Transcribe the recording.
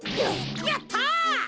やった！